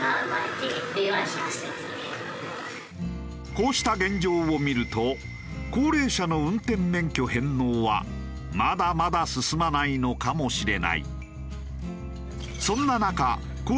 こうした現状を見ると高齢者の運転免許返納はまだまだ進まないのかもしれない。